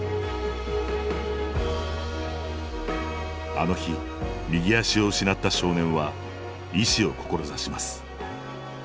あの日右足を失った少年は医師を志します。